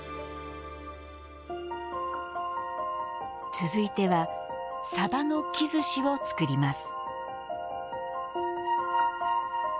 続いてはさばのきずしを作ります。